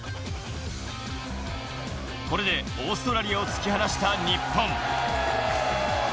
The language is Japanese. これでオーストラリアを突き放した日本。